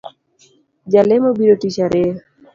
Jalemo biro tich ariyo